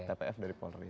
tgpf dari polri